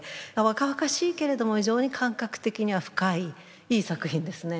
若々しいけれども非常に感覚的には深いいい作品ですね。